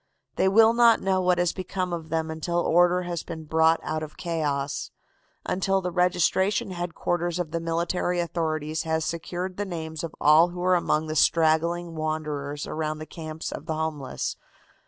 They will not know what has become of them until order has been brought out of chaos; until the registration headquarters of the military authorities has secured the names of all who are among the straggling wanderers around the camps of the homeless.